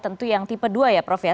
tentu yang tipe dua ya prof ya